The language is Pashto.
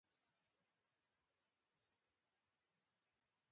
ددې برعکس، ددې ولایت هزاره میشتو سیمو